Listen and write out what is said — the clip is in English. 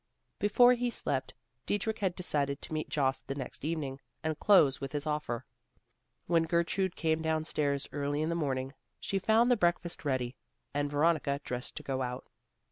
Before he slept, Dietrich had decided to meet Jost the next evening, and close with his offer. When Gertrude came down stairs early in the morning, she found the breakfast ready, and Veronica dressed to go out.